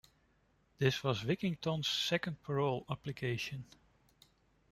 This was Wigginton's second parole application.